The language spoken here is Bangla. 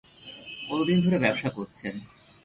কত দিন ধরে ব্যবসা করছেন?